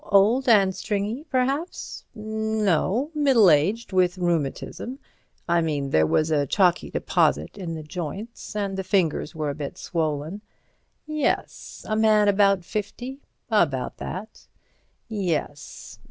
Old and stringy, perhaps." "No. Middle aged—with rheumatism. I mean, there was a chalky deposit in the joints, and the fingers were a bit swollen." "Yes. A man about fifty." "About that." "Yes.